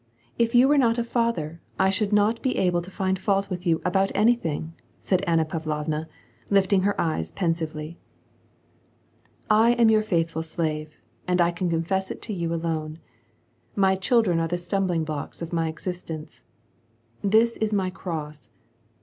If jou were not a father, I should not be able to find fault with you about anything," said AnnaPavlovna, lifting her eyes pen sively. "I am your faithful slave, and I can confess it to you alone. My children are the stumbling blocks of my existence.* This is my cross.